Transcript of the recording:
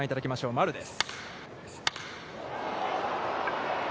丸です。